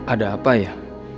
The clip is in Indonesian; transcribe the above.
ada apa ya